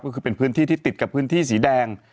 ก็คือเป็นพื้นที่ที่ติดกับพื้นที่สีแดง